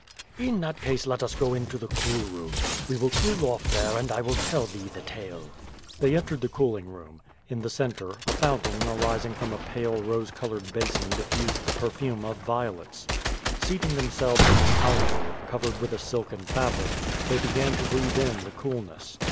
^^ "In that case let us go into the cool room. We will cool oflE there and I will tell thee the tale.^^ They entered the cooling room. In the centre a fountain arising from a pale rose colored basin diffused the perfume of violets. Seating themselves in an alcove, covered with a silken fabric, they began to breathe in the coolness.